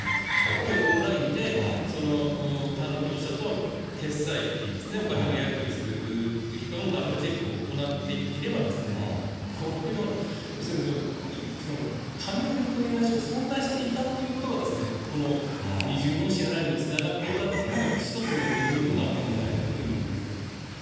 やはりオンラインで担当者と決済ですね、お金のやり取りする人のダブルチェックを行っていれば、このような、紙の振り込み依頼書が存在していたということが、この二重の支払いにつながっていたというふうな、一つの要因にもなってるんじゃないかというふうに思いますね。